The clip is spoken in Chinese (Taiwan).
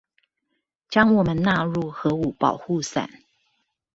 將我們納入核武保護傘